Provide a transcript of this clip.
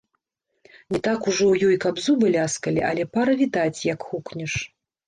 Не так ужо ў ёй, каб зубы ляскалі, але пара відаць, як хукнеш.